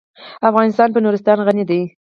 افغانستان په نورستان غني دی.